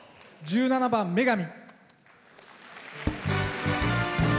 １７番「女神」。